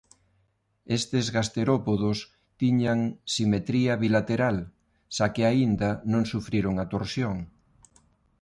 Estes gasterópodos tiñan simetría bilateral xa que aínda non sufriron a torsión.